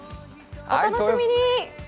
お楽しみに！